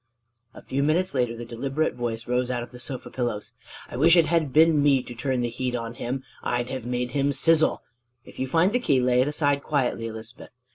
A few minutes later the deliberate voice rose out of the sofa pillows: "I wish it had been me to turn the heat on him: I'd have made him sizzle! If you find the key, lay it aside quietly, Elizabeth.